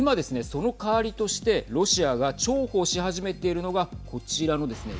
その代わりとしてロシアが重宝し始めているのがこちらのですね